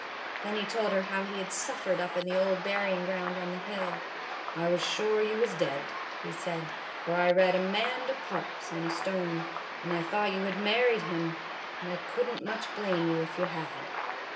Then he told her how he had suffered up in the old burying ground on the hill. "I was sure you was dead," he said, " for I read Amanda Parks on a stone, and I thought you had married him ; and I could n't much blame you if you had."